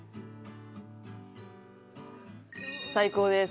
最高です。